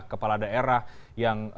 kepala daerah yang